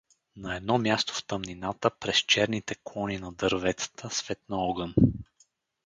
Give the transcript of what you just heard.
На едно място в тъмнината, през черните клони на дърветата светна огън.